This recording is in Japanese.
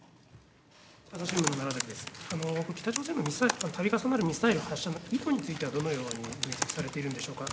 北朝鮮のミサイル、たび重なるミサイル発射の意図についてはどのように分析されているんでしょうか。